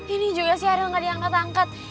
ini juga sih aril gak diangkat angkat